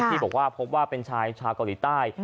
ที่บอกว่าพบว่าเป็นชายชาวเกาหลีใต้